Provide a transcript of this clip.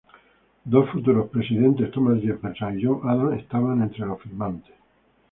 Dos futuros presidentes, Thomas Jefferson y John Adams, estaban entre los firmantes.